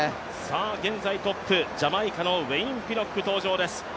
現在トップ、ジャマイカのウェイン・ピノック登場です。